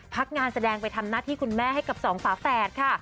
พักงานแสดงไปทำหน้าที่คุณแม่ให้กับสองฝาแฝดค่ะ